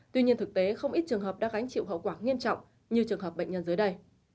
tuy nhiên thực tế không ít trường hợp đã gánh chịu hậu quả nghiêm trọng như trường hợp bệnh nhân dưới đây